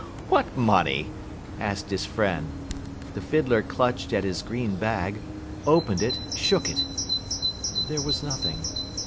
"What money?" asked his friend. The fiddler clutched at his green bag, opened it, shook it; there was nothing.